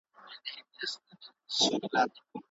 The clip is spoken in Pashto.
ژوند او خوشحالي